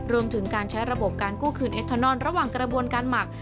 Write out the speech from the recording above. รวมถึงการใช้ระบบการกู้คืนเอทานอนระหว่างกระบวนการหมัก